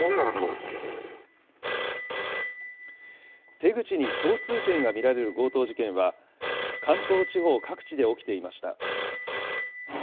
手口に共通点が見られる強盗事件は、関東地方各地で起きていました。